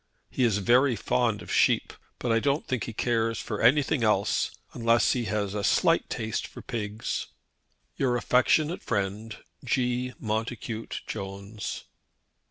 He is very fond of sheep, but I don't think he cares for anything else, unless he has a slight taste for pigs. "Your affectionate friend, "G. MONTACUTE JONES."